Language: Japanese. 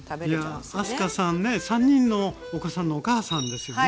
いや明日香さんね３人のお子さんのお母さんですよね。